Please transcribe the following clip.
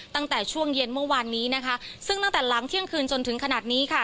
ตั้งแต่ช่วงเย็นเมื่อวานนี้นะคะซึ่งตั้งแต่หลังเที่ยงคืนจนถึงขนาดนี้ค่ะ